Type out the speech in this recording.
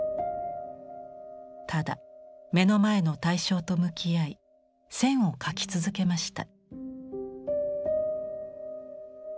ただ目の前の対象と向き合い線を描き続けました。